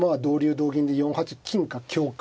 同銀で４八金か香か。